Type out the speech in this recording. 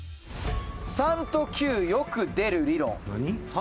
「３と９よく出る理論」「３と９？」